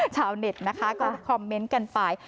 ชาวเน็ตนะคะก็คอมเมนต์กันไป